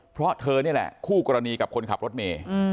เพราะเธอนี่แหละคู่กรณีกับคนขับรถเมย์